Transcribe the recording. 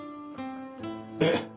えっ！？